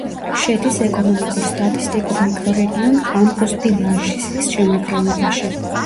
შედის ეკონომიკურ-სტატისტიკურ მიკრორეგიონ კამპუს-დი-ლაჟისის შემადგენლობაში.